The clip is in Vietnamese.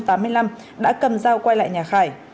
đã cầm dao quay lại nhà khải